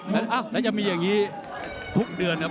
แล้วจะมีอย่างนี้ทุกเดือนครับ